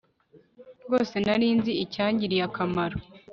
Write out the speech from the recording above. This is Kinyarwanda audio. rwose nari nzi icyangiriye akamaro